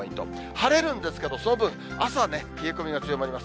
晴れるんですけど、その分、朝ね、冷え込みが強まります。